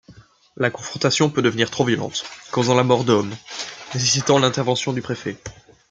La confrontation peut devenir trop violente, causant mort d'homme, nécessitant l'intervention du préfet.